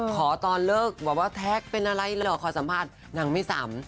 ขอตอนเลิกแท็กเป็นอะไรหรือขอสัมภาษณ์นางไม่สำ